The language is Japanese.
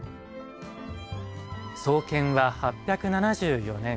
創建は８７４年。